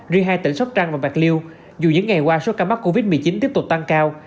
riêng hai tỉnh sóc trăng và bạc liêu dù những ngày qua số ca mắc covid một mươi chín tiếp tục tăng cao